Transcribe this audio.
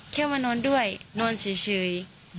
แค่มานอนด้วยนอนเฉย